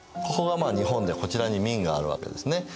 ここがまあ日本でこちらに明があるわけですね。